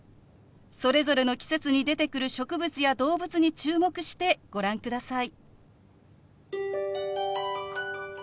それぞれの季節に出てくる植物や動物に注目してご覧ください。